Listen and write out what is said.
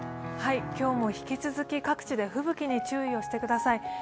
今日も引き続き各地で吹雪に注意をしてください。